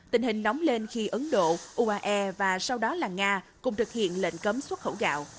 tình hình nóng lên khi ấn độ uae và sau đó là nga cùng thực hiện lệnh cấm xuất khẩu gạo